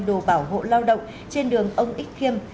đồ bảo hộ lao động trên đường ông ích khiêm